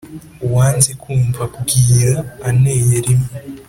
uwanze kumva bwira aneye rimwe